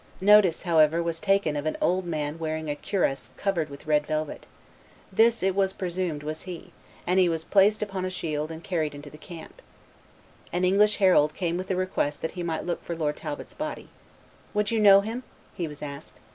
Notice, however, was taken of an old man wearing a cuirass covered with red velvet; this, it was presumed, was he; and he was placed upon a shield and carried into the camp. An English herald came with a request that he might look for Lord' Talbot's body. "Would you know him?" he was asked.